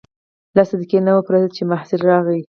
لس دقیقې نه وې پوره چې محصل راغی.